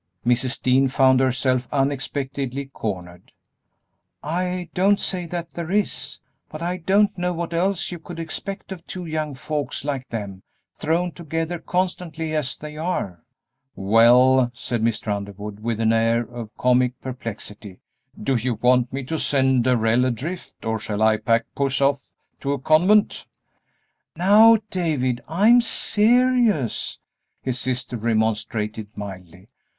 Mrs. Dean found herself unexpectedly cornered. "I don't say that there is, but I don't know what else you could expect of two young folks like them, thrown together constantly as they are." "Well," said Mr. Underwood, with an air of comic perplexity, "do you want me to send Darrell adrift, or shall I pack Puss off to a convent?" "Now, David, I'm serious," his sister remonstrated, mildly.